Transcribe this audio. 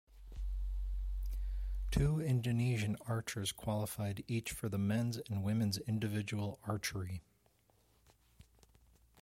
Two Indonesian archers qualified each for the men's and women's individual archery.